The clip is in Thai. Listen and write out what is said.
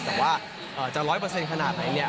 แล้วแต่ว่าอาจจะร้อยเปอร์เซ็นต์ขนาดไหนเนี่ย